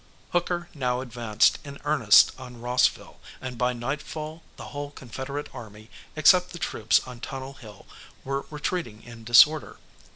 Hooker now advanced in earnest on Rossville, and by nightfall the whole Confederate army, except the troops on Tunnel Hill, was retreating in disorder.